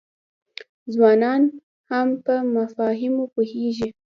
ځوانان هم په مفاهیمو پوهیږي.